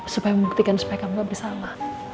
supaya membuktikan supaya kamu bersalah